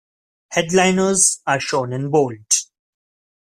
Headliners are shown in bold.